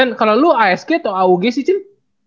eh ten kalo lu asg atau aug sih cil